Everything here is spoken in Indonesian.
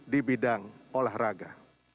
di bidang olahraga